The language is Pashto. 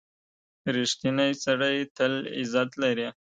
• رښتینی سړی تل عزت لري.